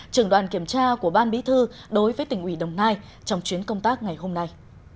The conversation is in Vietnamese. trưởng đoàn kiểm tra của ban bí thư đối với tỉnh ủy đồng nai trong chuyến công tác ngày hôm nay